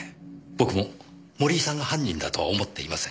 僕も森井さんが犯人だとは思っていません。